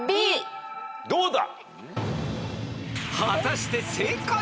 どうだ？